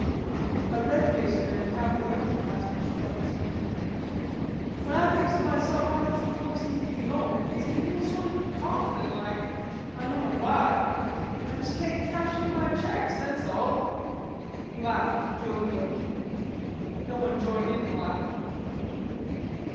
A red faced man half way up the passage started speaking: "When I thinks to myself how much the folks need me home, it makes me feel sort o' confident like, I dunno why. I juss can't cash in my checks, that's all." He laughed jovially. No one joined in the laugh.